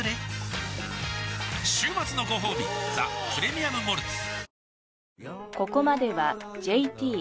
週末のごほうび「ザ・プレミアム・モルツ」おおーーッ